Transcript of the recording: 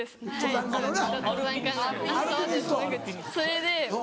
それで私